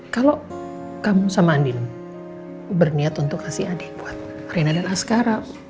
kalau kamu sama andien berniat untuk kasih adik buat reina dan askara